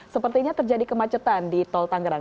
sepertinya terjadi kemacetan di tol tangerang